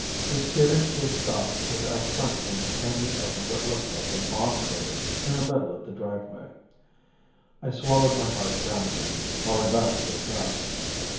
We skidded to a stop with our front end hanging over what looked like a bomb crater in the middle of the driveway. I swallowed my heart down again, while I backed away fast.